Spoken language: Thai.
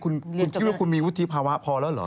คุณคิดว่าคุณมีวุฒิภาวะพอแล้วเหรอ